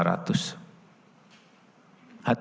saat sedang kayak seribu sembilan ratus delapan puluh sembilan